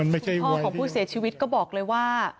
พ่อของผู้เสียชีวิตก็บอกเลยว่า